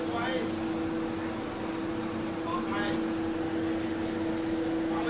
สวัสดีครับครับ